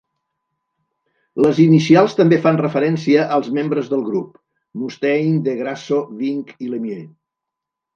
Les inicials també fan referència als membres del grup: Mustaine, DeGrasso, Ving i LeMieux.